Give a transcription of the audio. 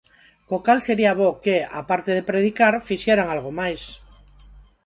Co cal sería bo que, á parte de predicar, fixeran algo máis.